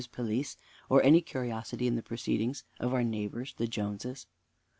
's pelisse, or any curiosity in the proceedings of our neighbors the Joneses?